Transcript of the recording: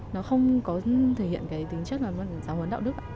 nó không có thể hiện cái tính chất là giáo hồn đạo đức